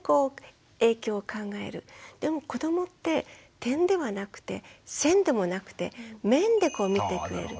でも子どもって点ではなくて線でもなくて面で見てくれる。